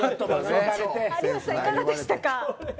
有吉さん、いかがでしたか。